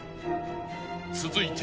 ［続いて］